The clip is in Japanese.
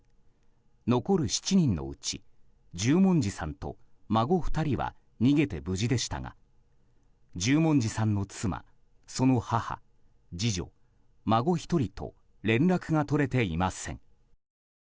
残る７人のうち、十文字さんと孫２人は逃げて無事でしたが十文字さんの妻その母、次女、孫１人と連絡が取れていません。